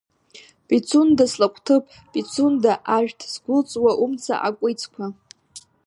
Пицунда, слакәҭыԥ, Пицунда, ашәҭ згәылҵуа умца акәицқәа.